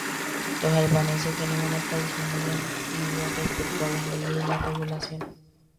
Los albaneses tienen una tradición muy antigua respecto a las leyes y las regulaciones.